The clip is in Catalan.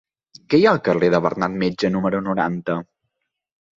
Què hi ha al carrer de Bernat Metge número noranta?